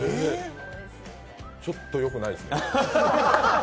ちょっとよくないですね。